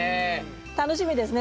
楽しみですね